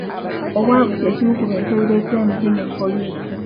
Obwavu kye kimu ku bintu ebireeta enguzi mu poliisi.